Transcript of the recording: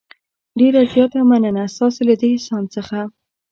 ډېره زیاته مننه ستاسې له دې احسان څخه.